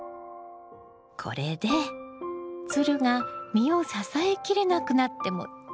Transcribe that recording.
これでつるが実を支えきれなくなっても大丈夫よ。